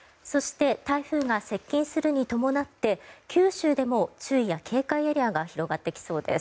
台風が接近するに伴って九州でも注意や警戒エリアが広がってきそうです。